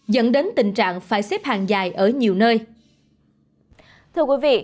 dẫn đến tình trạng phải xếp hàng dài ở nhiều nơi